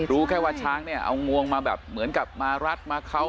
รู้แค่ว่าช้างเนี่ยเอางวงมาแบบเหมือนกับมารัดมาเขา